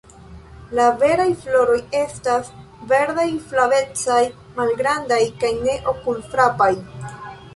La veraj floroj estas verdaj-flavecaj, malgrandaj kaj ne okulfrapaj.